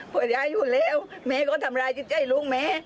พออย่ายุ่งแล้วแม่ก็ทำร้ายจิตใจลุงแม่